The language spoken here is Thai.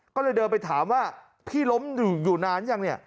ก็เลยเดินไปถามว่าพี่ล้มอยู่นานยังเนี่ย